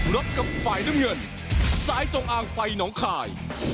รับกับไฟน้ำเงินสายจงอ่างไฟหนองคลาย